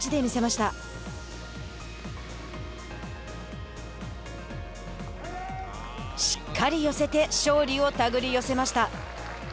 しっかり寄せて勝利を手繰り寄せました。